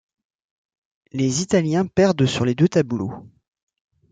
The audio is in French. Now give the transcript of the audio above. Les italiens perdent sur les deux tableaux.